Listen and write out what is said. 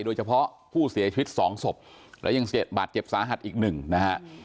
โดยเฉพาะผู้เสียชีวิตสองศพและยังบาดเจ็บสาหัสอีกหนึ่งนะฮะ